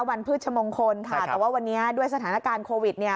พืชมงคลค่ะแต่ว่าวันนี้ด้วยสถานการณ์โควิดเนี่ย